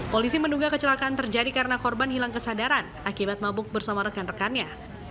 polisi menduga kecelakaan terjadi karena korban hilang kesadaran akibat mabuk bersama rekan rekannya